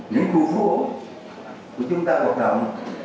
những khu phố của chúng ta hoạt động